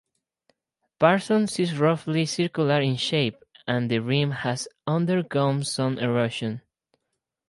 Parsons is roughly circular in shape and the rim has undergone some erosion.